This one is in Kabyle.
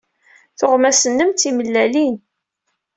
Tuɣmas-nnem d timelallin.